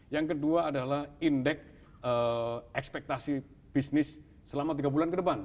yang kedua adalah indeks ekspektasi bisnis selama tiga bulan ke depan